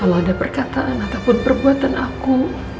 kalau ada perkataan ataupun perbuatan aku